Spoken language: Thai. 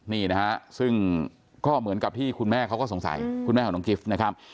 นี่นะฮะซึ่งก็เหมือนกับที่คุณแม่เขาก็สงสัยคุณแม่ของน้องกิฟต์นะครับ